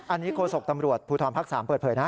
อันนี้โฆษกตำรวจภูทรภาค๓เปิดเผยนะ